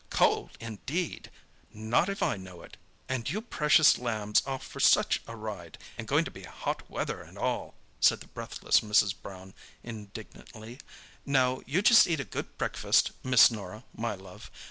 "Cold, indeed!—not if I know it—and you precious lambs off for such a ride, and going to be hot weather and all," said the breathless Mrs. Brown indignantly. "Now, you just eat a good breakfast, Miss Norah, my love.